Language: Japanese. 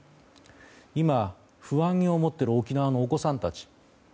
今、不安に思ってる沖縄のお子さんたち